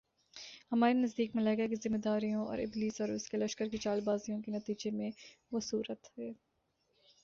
ہمارے نزدیک، ملائکہ کی ذمہ داریوں اور ابلیس اور اس کے لشکر کی چالبازیوں کے نتیجے میں وہ صورتِ